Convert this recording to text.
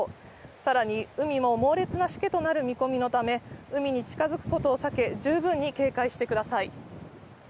さらに、海も猛烈なしけとなる見込みのため、海に近づくことを避け、十分に警戒してください。